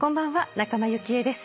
仲間由紀恵です。